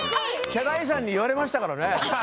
ヒャダインさんに言われましたからね。